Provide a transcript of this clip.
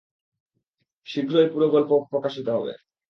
শীঘ্রই পুরো গল্প প্রকাশিত হবে।